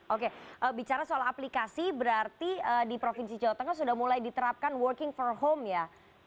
oke bicara soal aplikasi berarti di provinsi jawa tengah sudah mulai diterapkan working from home ya